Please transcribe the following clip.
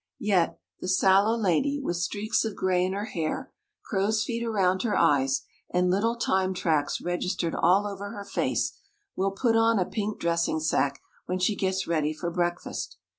Yet, the sallow lady, with streaks of grey in her hair, crow's feet around her eyes, and little time tracks registered all over her face, will put on a pink dressing sack when she gets ready for breakfast.